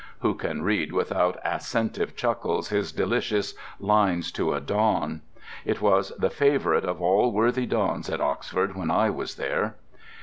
(Who can read without assentive chuckles his delicious "Lines to a Don!" It was the favourite of all worthy dons at Oxford when I was there.)